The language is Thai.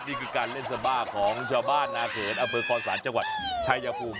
นี่คือการเล่นสบากของชาวบ้านนาเผินอเฟิร์ดคอนสารจังหวัดไทยยาภูมิ